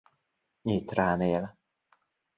Nyitrán él.